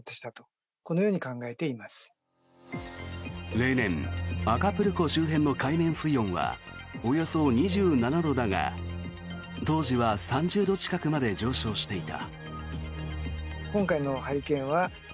例年アカプルコ周辺の海面水温はおよそ２７度だが当時は３０度近くまで上昇していた。